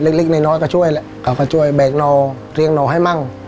เขาก็ช่วยแบกหนอเรียกหนอให้มั่ง